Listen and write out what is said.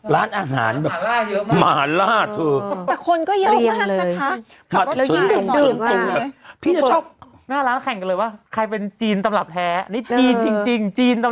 ร้านอาหารเยอะมากมาราศุทธ์คนก็เยอะมากถ้าวิ่งดึงปผู้ชอบแรงก็เลยว่าใครเป็นจีนแจร์รอบแท้จีนนะคะ